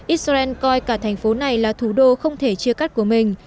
israel coi cả thành phố này là thủ đô không thể chia cắt của mình